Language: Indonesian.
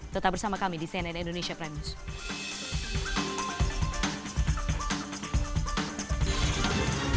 tetap bersama kami di cnn indonesia prime news